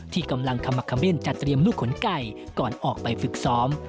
ที่กำลังขมักขเบ้นจัดเตรียมลูกขนไก่ก่อนออกไปฝึกซ้อม